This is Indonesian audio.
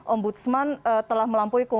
om budsman telah melampaui